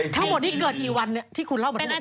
ทั้งหมดที่เกิดกี่วันเลยที่คุณเล่ามาทดการ